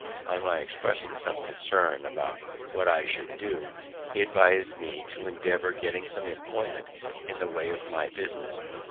On my expressing some concern about what I should do, he advised me to endeavour getting some employment in the way of my business.